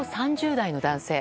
３０代の男性。